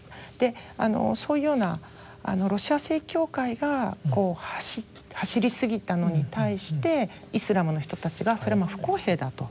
そういうようなロシア正教会が走りすぎたのに対してイスラムの人たちがそれは不公平だと。